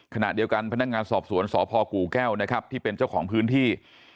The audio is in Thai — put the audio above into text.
ขณะเดียวกันพนักงานสอบสวนสพกู่แก้วนะครับที่เป็นเจ้าของพื้นที่